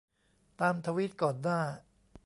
ตามทวีตก่อนหน้า